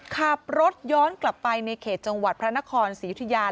ขับรถย้อนกลับไปในเขตจังหวัดพระนครศรียุธยา